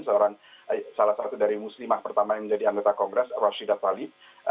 salah satu dari muslimah pertama yang menjadi anggota kongres roshida tali